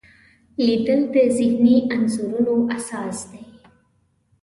لیدل د ذهني انځورونو اساس دی